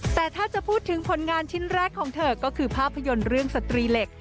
แต่ถ้าจะพูดถึงผลงานชิ้นแรกของเธอก็คือภาพยนตร์เรื่องสตรีเหล็ก